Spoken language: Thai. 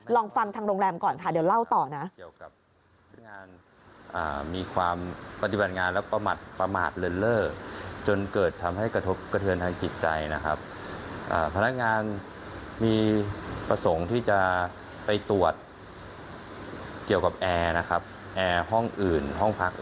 ลองฟังทางโรงแรมก่อนค่ะเดี๋ยวเล่าต่อนะ